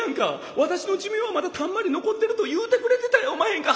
私の寿命はまだたんまり残ってると言うてくれてたやおまへんか。